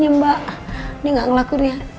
saya percaya kalo andin tuh gak ngelakuinnya